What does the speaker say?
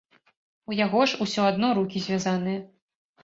У яго ж усё адно рукі звязаныя.